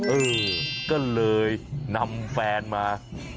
เออก็เลยนำแฟนมา